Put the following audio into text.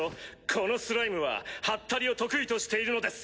このスライムはハッタリを得意としているのです。